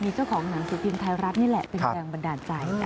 มีเจ้าของหนังสือพิมพ์ไทยรัฐนี่แหละเป็นแรงบันดาลใจ